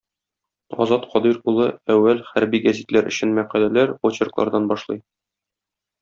Азат Кадыйр улы әүвәл хәрби гәзитләр өчен мәкаләләр, очерклардан башлый.